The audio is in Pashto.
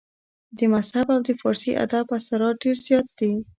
د مذهب او د فارسي ادب اثرات ډېر زيات دي